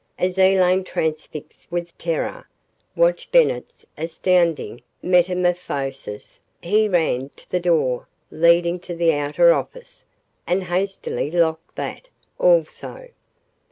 As Elaine, transfixed with terror, watched Bennett's astounding metamorphosis, he ran to the door leading to the outer office and hastily locked that, also.